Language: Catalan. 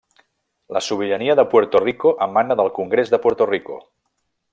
La sobirania de Puerto Rico emana del Congrés de Puerto Rico.